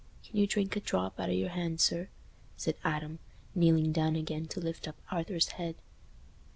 "Can you drink a drop out o' your hand, sir?" said Adam, kneeling down again to lift up Arthur's head.